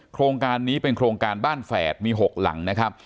โครงการนี้เป็นโครงการบ้านแฝดมี๖หลังนะครับ